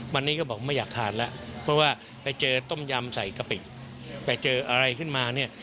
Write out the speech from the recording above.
วันนี้ก็บอกไม่อยากทานแล้วเพราะว่าไปเจอต้มยำใส่กะปิไปเจออะไรขึ้นมาเนี่ย